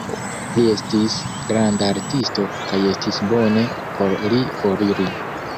Li estis granda artisto, kaj estis bone por li foriri.